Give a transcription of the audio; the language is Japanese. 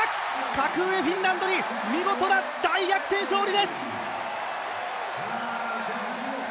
格上フィンランドに見事な大逆転勝利です